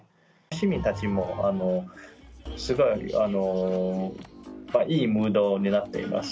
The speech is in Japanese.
市民たちもすごいいいムードになっています。